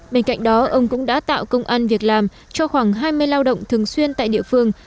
bên cạnh đó ông cũng đã tạo công an việc làm cho khoảng hai mươi lao động thường xuyên tại địa phương